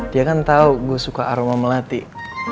dia kan tau gue suka aroma melatik